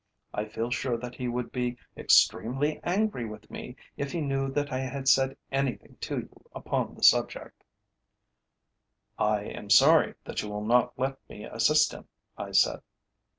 I feel sure that he would be extremely angry with me if he knew that I had said anything to you upon the subject." "I am sorry that you will not let me assist him," I said.